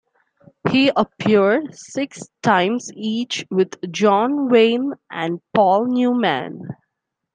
He appeared six times each with John Wayne and Paul Newman.